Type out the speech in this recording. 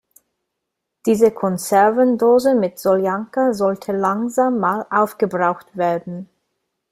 Diese Konservendose mit Soljanka sollte langsam mal aufgebraucht werden.